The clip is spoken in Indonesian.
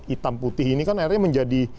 hitam putih ini kan akhirnya menjadi